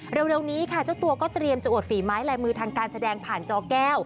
เร็วนี้ค่ะเจ้าตัวก็เตรียมจะอวดฝีไม้ลายมือทางการแสดงผ่านจอแก้ว